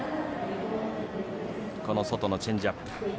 外のチェンジアップ。